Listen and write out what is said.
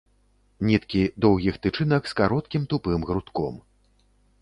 Ніткі доўгіх тычынак з кароткім тупым грудком.